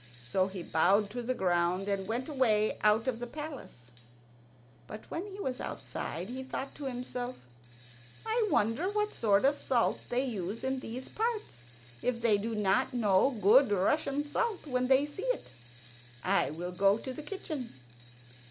So he bowed to the ground, and went away out of the palace. But when he was outside he thought to himself, "I wonder what sort of salt they use in these parts if they do not know good Russian salt when they see it. I will go to the kitchen."